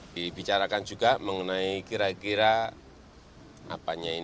dibicarakan juga mengenai kira kira